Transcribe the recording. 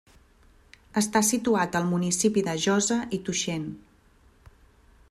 Està situat al municipi de Josa i Tuixén.